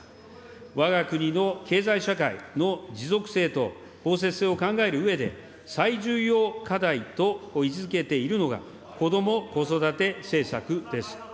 わが国の経済社会の持続性と包摂性を考えるうえで、最重要課題と位置づけているのが、こども・子育て政策です。